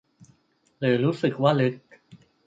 หรือรู้สึกว่าลึก